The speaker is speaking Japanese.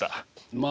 まあ